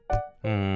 うん。